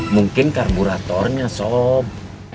mungkin karburatornya sob